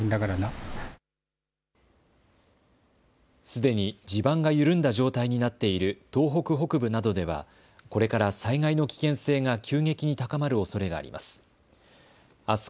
すでに地盤が緩んだ状態になっている東北北部などではこれから災害の危険性が急激に高まるおそれがあります。